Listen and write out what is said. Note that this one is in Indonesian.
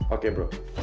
oke bro siap